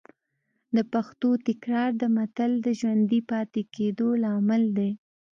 د پېښو تکرار د متل د ژوندي پاتې کېدو لامل دی